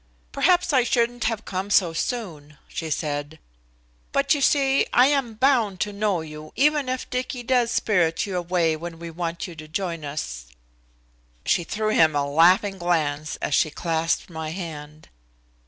"Perhaps I shouldn't have come so soon," she said, "but you see I am bound to know you, even if Dicky does spirit you away when we want you to join us." She threw him a laughing glance as she clasped my hand.